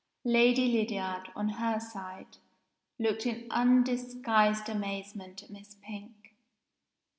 Lady Lydiard, on her side, looked in undisguised amazement at Miss Pink.